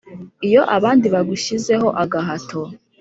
Iyo abandi bagushyizeho agahato